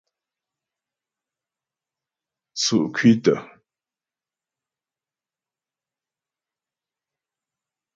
Tsʉ́' kwítə.